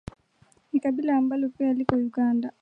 ni kabila ambalo pia liko Uganda